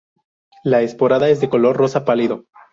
La esporada es de color rosa pálido.